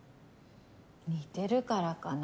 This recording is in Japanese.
似てるからかな。